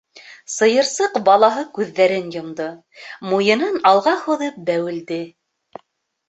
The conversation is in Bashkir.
Сыйырсыҡ балаһы күҙҙәрен йомдо, муйынын алға һуҙып бәүелде.